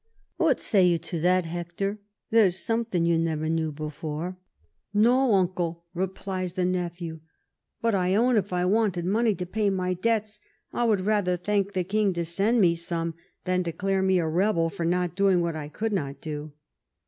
What say you to that, Hector ?— ^there's something you never knew before." " No, uncle," replies the neph ew, " but, I own, if I wanted money to pay my debts, I would rather thank the king to send me some, than 279 THE REIGN OP QUEEN ANNE to declare me a rebel for not doing what I could not do."